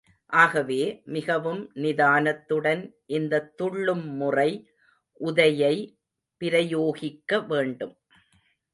ஆகவே, மிகவும் நிதானத்துடன் இந்தத் துள்ளும் முறை உதையை பிரயோகிக்க வேண்டும்.